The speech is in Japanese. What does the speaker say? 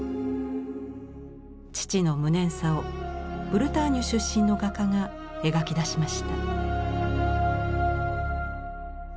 父の無念さをブルターニュ出身の画家が描き出しました。